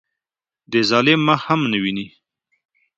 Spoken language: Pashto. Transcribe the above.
د ظالم مخ هم نه ویني.